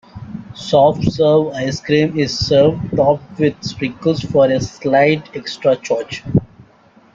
Soft serve ice cream is served topped with sprinkles for a slight extra charge.